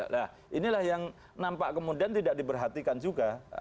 nah inilah yang nampak kemudian tidak diperhatikan juga